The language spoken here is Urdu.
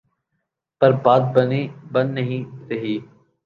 پر بات بن نہیں رہی۔